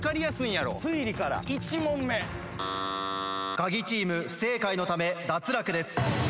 カギチーム不正解のため脱落です。